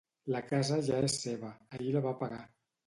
La casa ja és seva: ahir la va pagar.